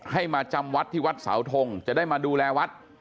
ให้มาจำวัดที่วัดเสาทงจะได้มาดูแลวัด